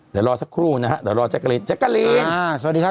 เดี๋ยวรอสักครู่นะฮะเดี๋ยวรอแจ๊กรีนแจ๊กกะลีนสวัสดีครับ